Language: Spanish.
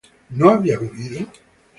¿no había vivido?